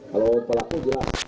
kalau pelaku jelas